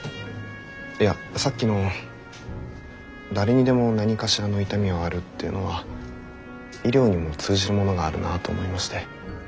いやさっきの誰にでも何かしらの痛みはあるっていうのは医療にも通じるものがあるなと思いまして。